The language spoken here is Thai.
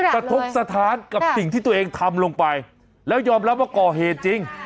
กระทบสถานกับสิ่งที่ตัวเองทำลงไปแล้วยอมรับว่าก่อเหตุจริง